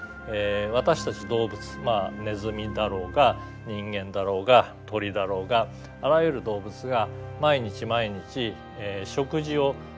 私たち動物ネズミだろうが人間だろうが鳥だろうがあらゆる動物が毎日毎日食事をとり続けなければいけない。